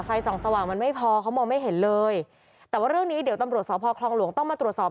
ส่องสว่างมันไม่พอเขามองไม่เห็นเลยแต่ว่าเรื่องนี้เดี๋ยวตำรวจสพคลองหลวงต้องมาตรวจสอบ